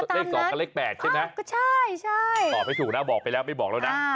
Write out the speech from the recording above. พิมพ์มาตามนั้นความก็ใช่ตอบให้ถูกนะบอกไปแล้วไม่บอกแล้วนะ